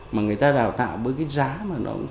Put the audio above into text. mà người ta đào tạo với cái giá mà nó cũng thú vị